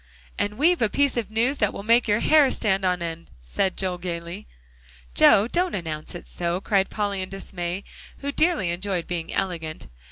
"And we've a piece of news that will make your hair stand on end," said Joel gaily. "Joe, don't announce it so," cried Polly in dismay, who dearly enjoyed being elegant.